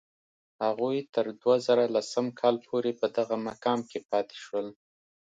هغوی تر دوه زره لسم کال پورې په دغه مقام کې پاتې شول.